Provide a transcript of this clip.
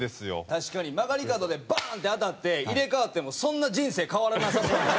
確かに曲がり角でバーン！って当たって入れ替わってもそんな人生変わらなさそうやもんな。